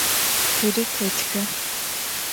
Тэри тэтхэ.